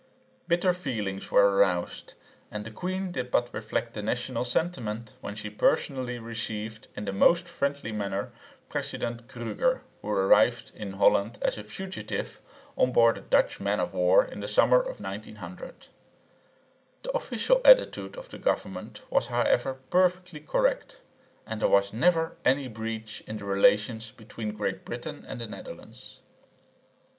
Bitter feelings were aroused, and the queen did but reflect the national sentiment when she personally received in the most friendly manner President Krüger, who arrived in Holland as a fugitive on board a Dutch man of war in the summer of 1900. The official attitude of the government was however perfectly correct, and there was never any breach in the relations between Great Britain and the Netherlands.